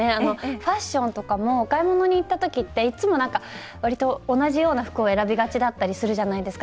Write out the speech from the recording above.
ファッションとかもお買い物に行った時っていつも割と同じような服を選びがちだったりするじゃないですか。